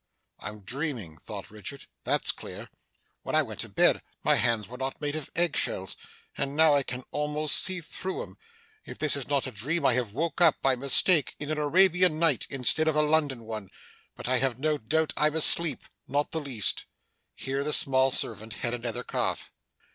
'I'm dreaming,' thought Richard, 'that's clear. When I went to bed, my hands were not made of egg shells; and now I can almost see through 'em. If this is not a dream, I have woke up, by mistake, in an Arabian Night, instead of a London one. But I have no doubt I'm asleep. Not the least.' Here the small servant had another cough.